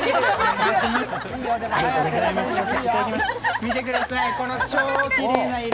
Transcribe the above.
見てください、この超きれいな色。